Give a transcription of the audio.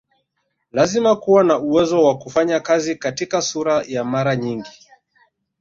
Lazima kuwa na uwezo wa kufanya kazi katika sura ya mara nyingi